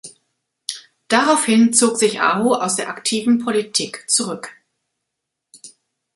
Daraufhin zog sich Aho aus der aktiven Politik zurück.